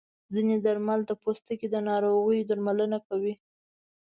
ځینې درمل د پوستکي د ناروغیو درملنه کوي.